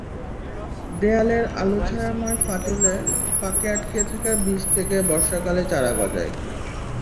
দেয়ালের আলো-ছায়াময় ফাটলে, ফাঁকে আটকে থাকা বীজ থেকে বর্ষাকালে চারা গজায়।